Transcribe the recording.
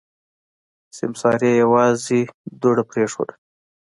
سيمسارې يوازې دوړه پرېښوده.